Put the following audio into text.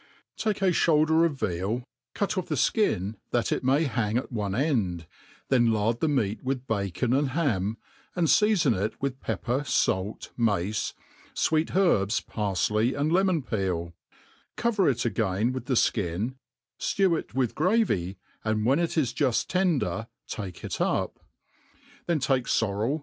TAKE a flioulder of veal, cut off the flcin that it may hang atone end, then lard the meat with bacon and ham, and fea fon it with pepper, fait, mace, fweet herbs, parfley, and le^ mon peet ; cove;* it again with the (kin, fiew it with gravy, and when it is juft tender take it up; then take forrel